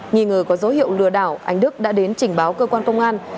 nghi ngờ có dấu hiệu lừa đảo anh đức đã đến trình báo cơ quan công an